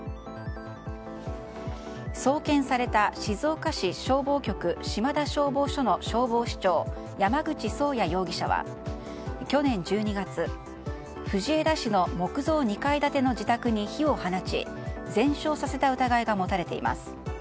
送検された静岡市消防局島田消防署の消防士長山口宗谷容疑者は去年１２月藤枝市の木造２階建ての自宅に火を放ち全焼させた疑いが持たれています。